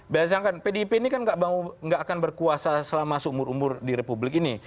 bayangkan pdip ini kan nggak akan berkuasa selama seumur umur di republik ini